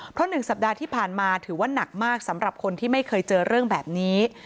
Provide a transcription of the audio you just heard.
เพราะ๑สัปดาห์ที่ผ่านมาถือว่าหนักมากสำหรับคนที่ไม่เคยเจอเรื่องแบบนี้